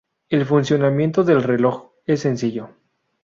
El funcionamiento del reloj es sencillo.